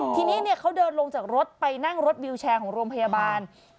ทีนี้เขาเดินลงจากรถไปนั่งรถวิวแชร์ของโรงพยาบาล